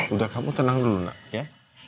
udah kamu tenang dulu nak ya